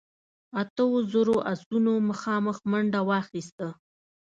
اتو زرو آسونو مخامخ منډه واخيسته.